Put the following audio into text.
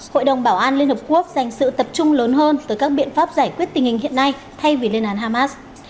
hội đồng bảo an liên hợp quốc dành sự tập trung lớn hơn tới các biện pháp giải quyết tình hình hiện nay thay vì lên án hamas